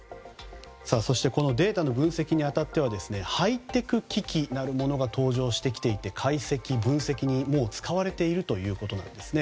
そしてデータの分析に当たってはハイテク機器なるものが登場してきていて解析・分析に使われているということなんですね。